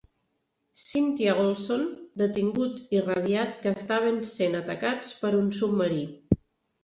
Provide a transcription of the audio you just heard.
"Cynthia Olson" detingut i Radiat que estaven sent atacats per un submarí.